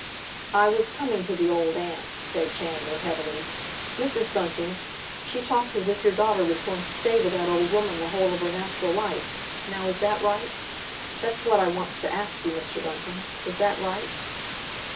"I was coming to the old aunt," said Chandler heavily. "Mrs. Bunting she talks as if your daughter was going to stay with that old woman the whole of her natural life—now is that right? That's what I wants to ask you, Mr. Bunting,—is that right?"